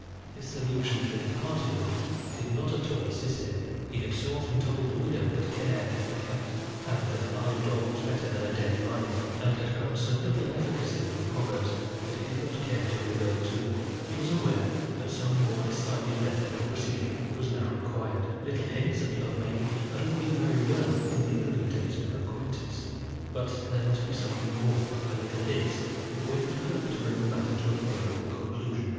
This allusion to the departed one did not at all assist him. He had so often told the widow that care killed a cat, and that a live dog was better than a dead lion; and had found so little efficacy in the proverbs, that he did not care to revert to them. He was aware that some more decided method of proceeding was now required. Little hints at love making had been all very well in the earlier days of their acquaintance; but there must be something more than little hints before he could hope to bring the matter to a favourable conclusion.